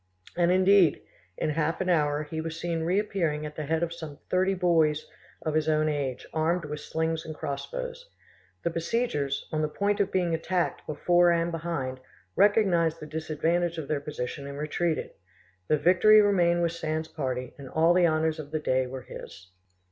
And, indeed, in half an hour he was seen reappearing at the head of some thirty boys of his own age, armed with slings and crossbows. The besiegers, on the point of being attacked before and behind, recognised the disadvantage of their position and retreated. The victory remained with Sand's party, and all the honours of the day were his.